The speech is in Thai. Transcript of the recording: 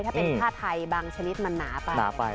ถ้าเป็นผ้าไทยบางชนิดมันหนาไปหนาไป